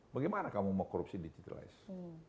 bagaimana kamu mau korupsi digitalized